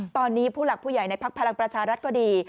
ตอนนี้ผู้หลักผู้ใหญ่ในพักพลังประชารัฐก็ดี